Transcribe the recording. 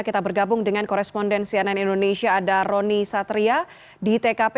kita bergabung dengan koresponden cnn indonesia ada roni satria di tkp